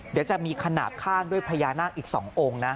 เดี๋ยวจะมีขนาดข้างด้วยพญานาคอีก๒องค์นะ